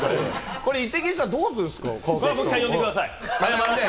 これ移籍したらどうするんですか？